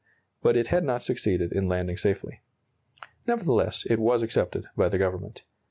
But it had not succeeded in landing safely. Nevertheless it was accepted by the Government.